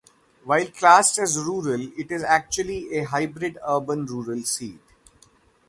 While classed as rural, it is actually a hybrid urban-rural seat.